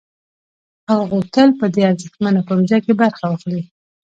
هغه غوښتل په دې ارزښتمنه پروژه کې برخه واخلي